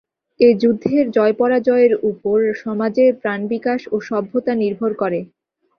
এ যুদ্ধের জয়পরাজয়ের উপর সমাজের প্রাণবিকাশ ও সভ্যতা নির্ভর করে।